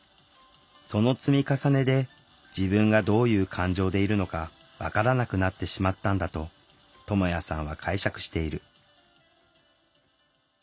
その積み重ねで自分がどういう感情でいるのか分からなくなってしまったんだとともやさんは解釈している。